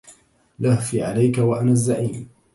لهفي عليها وأنا الزعيمُ